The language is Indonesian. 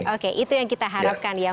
oke itu yang kita harapkan ya